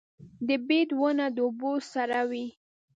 د بید ونه د اوبو سره وي